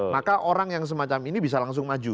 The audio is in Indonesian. maka orang yang semacam ini bisa langsung maju